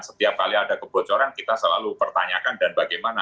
setiap kali ada kebocoran kita selalu pertanyakan dan bagaimana